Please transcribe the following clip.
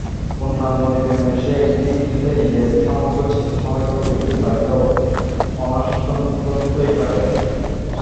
পূর্ণজ্ঞানী প্রেমের সেই একটি বিন্দুতে নিজের সমগ্র চিত্ত সমাহিত করিতে পারিলেও অনাসক্তই থাকেন।